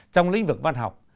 trong lĩnh vực văn học